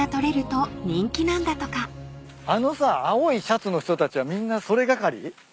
あのさ青いシャツの人たちはみんなそれ係？